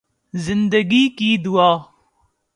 زندگی کی دعا